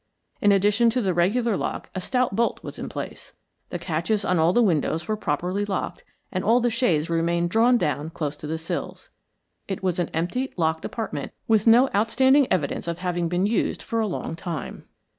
In addition to the regular lock a stout bolt was in place. The catches on all the windows were properly locked, and all the shades remained drawn down close to the sills. It was an empty, locked apartment, with no outstanding evidence of having been used for a long time.